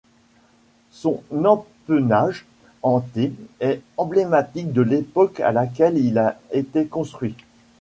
Son empennage en T est emblématique de l'époque à laquelle il a été construit.